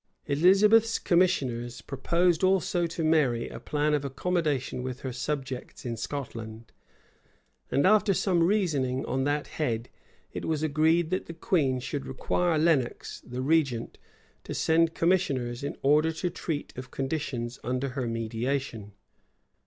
[] Elizabeth's commissioners proposed also to Mary a plan of accommodation with her subjects in Scotland; and after some reasoning on that head, it was agreed that the queen should require Lenox, the regent, to send commissioners, in order to treat of conditions under her mediation.